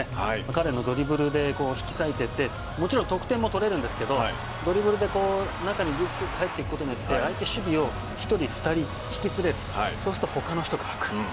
彼のドリブルで引き裂いていってもちろん得点も取れるんですけどドリブルで中に入っていくことによってあえて守備を１人２人ひきつれるそうすると他の人が空く。